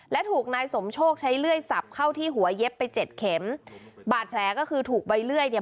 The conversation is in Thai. และถูกนายสมโชคใช้เลื่อยสับเข้าที่หัวเย็บไปเจ็ดเข็มบาดแผลก็คือถูกใบเลื่อยเนี่ย